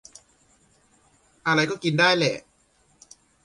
อะไรก็กินได้แหละ